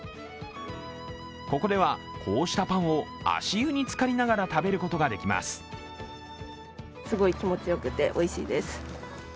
ここではこうしたパンを足湯につかりながら食べることができます。